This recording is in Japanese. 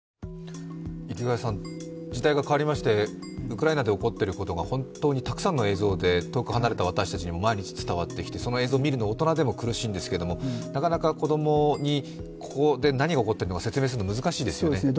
池谷さん、時代が変わりましてウクライナで起こってることが本当にたくさんの映像で遠く離れた私たちにも毎日伝わってきてその映像を見るの、大人でも苦しいんですけれども、なかなか子供にここで何が起こっているのか、説明するの難しいですよね。